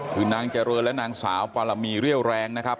คือนางเจริญและนางสาวปารมีเรี่ยวแรงนะครับ